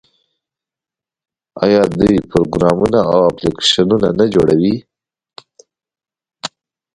آیا دوی پروګرامونه او اپلیکیشنونه نه جوړوي؟